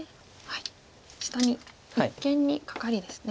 下に一間にカカリですね。